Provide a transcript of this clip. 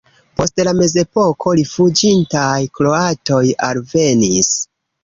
Post la mezepoko rifuĝintaj kroatoj alvenis.